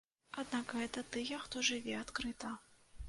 Аднак гэта тыя, хто жыве адкрыта.